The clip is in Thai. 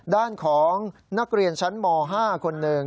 ด้านของนักเรียนชั้นม๕คนหนึ่ง